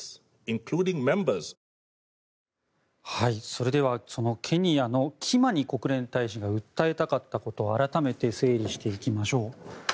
それではそのケニアのキマニ国連大使が訴えたかったことを改めて整理していきましょう。